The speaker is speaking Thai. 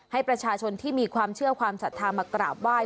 ให้ประชาชนที่มีความเชื่อความศรัทธามากราบไหว้